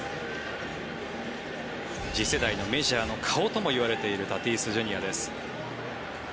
次世代のメジャーの顔とも言われているタティスＪｒ．です。